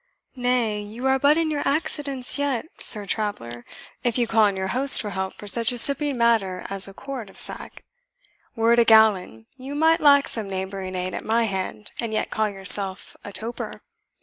"Nay, you are but in your accidence yet, Sir Traveller, if you call on your host for help for such a sipping matter as a quart of sack; Were it a gallon, you might lack some neighbouring aid at my hand, and yet call yourself a toper."